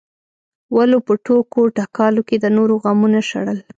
ولو په ټوکو ټکالو کې د نورو غمونه شړل.